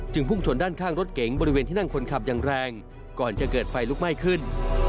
พุ่งชนด้านข้างรถเก๋งบริเวณที่นั่งคนขับอย่างแรงก่อนจะเกิดไฟลุกไหม้ขึ้น